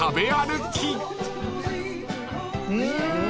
うん！